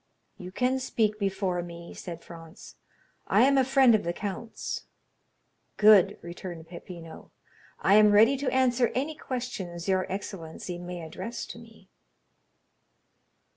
"You can speak before me," said Franz; "I am a friend of the count's." "Good!" returned Peppino. "I am ready to answer any questions your excellency may address to me."